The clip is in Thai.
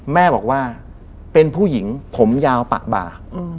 แม่บอกว่าเป็นผู้หญิงผมยาวปะบา